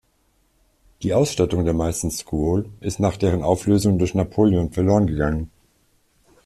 Die Ausstattung der meisten Scuole ist nach deren Auflösung durch Napoleon verlorengegangen.